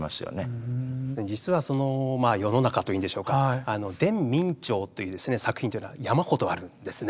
実はその世の中と言うんでしょうか「伝明兆」という作品というのは山ほどあるんですね。